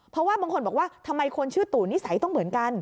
เพราะว่าบางคนบอกว่าทำไมคนชื่อตู่นิสัยต้องเหมือนกัน